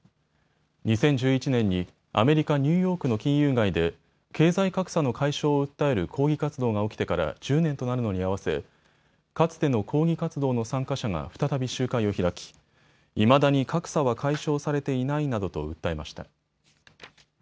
２０１１年にアメリカニューヨークの金融街で経済格差の解消を訴える抗議活動が起きてから１０年となるのに合わせかつての抗議活動の参加者が再び集会を開きいまだに格差は解消されていないなどと訴えました。